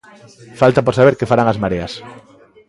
Falta por saber que farán as mareas.